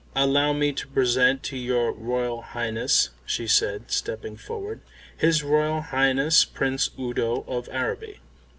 "Allow me to present to your Royal Highness," she said, stepping forward, "his Royal Highness Prince Udo of Araby."